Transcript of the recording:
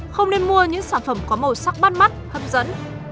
không nên mua những sản phẩm có màu sắc bắt mắt hấp dẫn